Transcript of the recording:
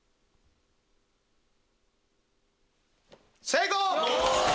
成功！